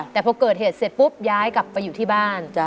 แต่พอเกิดเหตุเสร็จปุ๊บย้ายกลับไปอยู่ที่บ้าน